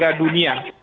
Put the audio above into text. dan warga dunia